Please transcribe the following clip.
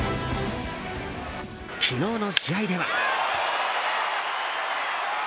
昨日の試合では。